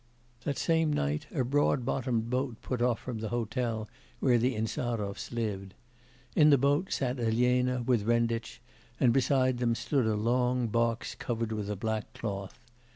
The same night a broad bottomed boat put off from the hotel where the Insarovs lived. In the boat sat Elena with Renditch and beside them stood a long box covered with a black cloth.